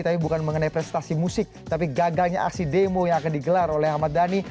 tapi bukan mengenai prestasi musik tapi gagalnya aksi demo yang akan digelar oleh ahmad dhani